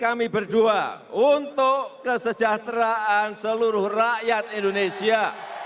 kami berdua untuk kesejahteraan seluruh rakyat indonesia